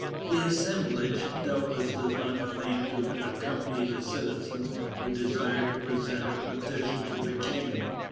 The assemblage doubtless does not claim to accompany the citizens who desire to present a petition to the King.